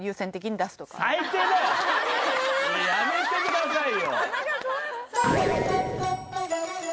やめてください